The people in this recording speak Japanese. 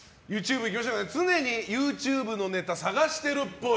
常にＹｏｕＴｕｂｅのネタ探してるっぽい。